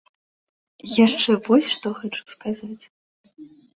Яшчэ вось што хачу сказаць.